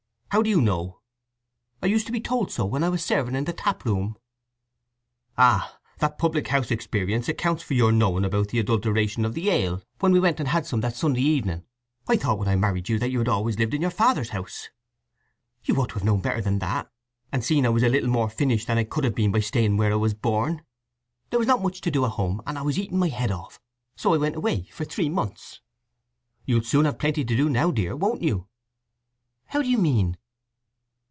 How do you know?" "I used to be told so when I was serving in the tap room." "Ah—that public house experience accounts for your knowing about the adulteration of the ale when we went and had some that Sunday evening. I thought when I married you that you had always lived in your father's house." "You ought to have known better than that, and seen I was a little more finished than I could have been by staying where I was born. There was not much to do at home, and I was eating my head off, so I went away for three months." "You'll soon have plenty to do now, dear, won't you?" "How do you mean?"